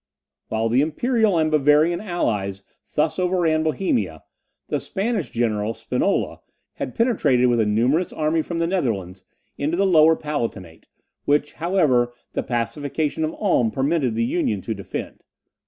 While the imperial and Bavarian allies thus overran Bohemia, the Spanish general, Spinola, had penetrated with a numerous army from the Netherlands into the Lower Palatinate, which, however, the pacification of Ulm permitted the Union to defend.